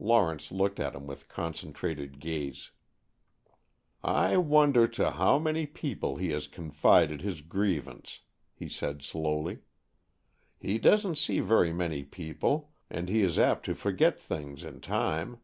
Lawrence looked at him with concentrated gaze. "I wonder to how many people he has confided his grievance," he said slowly. "He doesn't see very many people, and he is apt to forget things in time.